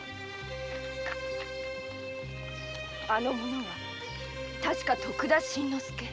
あの者は確か徳田新之助。